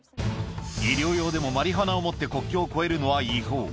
医療用でもマリファナを持って国境を越えるのは違法。